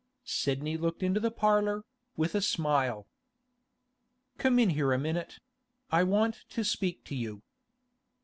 Sidney looked into the parlour, with a smile. 'Come in here a minute; I want to speak to you.